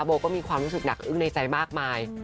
โบก็มีความรู้สึกหนักอึ้งในใจมากมาย